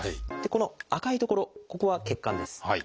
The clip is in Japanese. この赤い所ここは血管です。